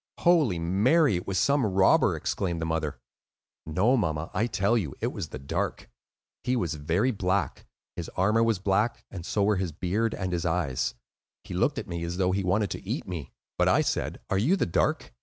"Holy Mary! it was some robber," exclaimed the mother. "No, mamma, I tell you, it was the Dark. He was very black; his armor was black, and so were his beard and his eyes. He looked at me as though he wanted to eat me. But I said, 'Are you the Dark?